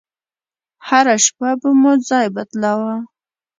هره شپه به مو ځاى بدلاوه.